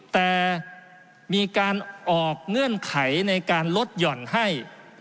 แต่มีการออกเงื่อนไขในการลดหย่อนให้